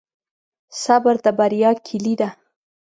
صبر د بریا کیلي ده